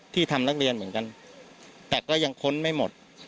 ทำนักเรียนเหมือนกันแต่ก็ยังค้นไม่หมด